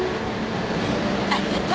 ありがとう。